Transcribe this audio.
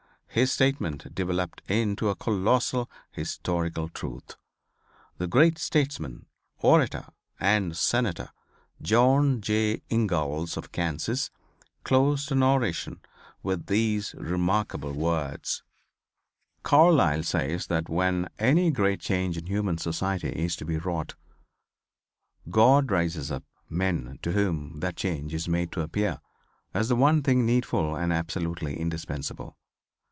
His statement developed into a colossal historical truth. The great statesman, orator and senator, John J. Ingalls of Kansas, closed an oration with these remarkable words: "Carlyle says that when any great change in human society is to be wrought God raises up men to whom that change is made to appear as the one thing needful and absolutely indispensable.